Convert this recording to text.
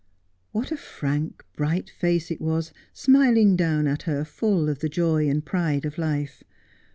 What a frank, bright face it was, smiling down at her, full of the joy and pride of life